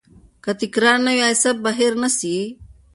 که تکرار نه وي، آیا سبق به هیر نه سی؟